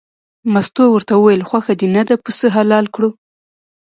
مستو ورته وویل خوښه دې نه ده پسه حلال کړو.